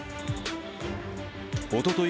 おととい